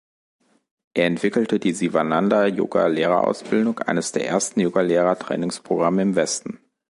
Er entwickelte die Sivananda-Yoga-Lehrerausbildung, eines der ersten Yogalehrer-Trainingsprogramme im Westen.